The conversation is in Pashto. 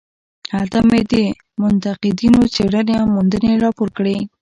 هلته مې د منتقدینو څېړنې او موندنې راپور کړې.